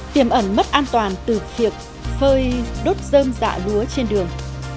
tiềm ẩn mất an toàn từ việc phơi đốt dơm dạ lúa trên đường